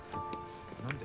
何で？